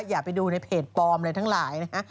อย่าไปดูในเพจปลอมอะไรทั้งหลายนะฮะ